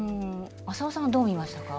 浅尾さんはどう見ましたか？